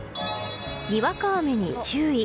にわか雨に注意。